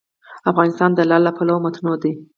افغانستان د لعل له پلوه متنوع دی.